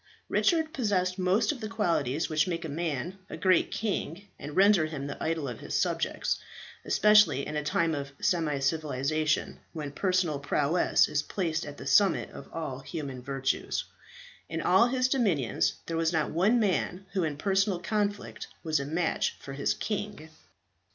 Richard possessed most of the qualities which make a man a great king and render him the idol of his subjects, especially in a time of semi civilization, when personal prowess is placed at the summit of all human virtues. In all his dominions there was not one man who in personal conflict was a match for his king.